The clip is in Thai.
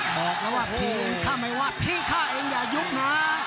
บอกแล้วว่าทีข้าไม่ว่าที่ข้าเองอย่ายุบหา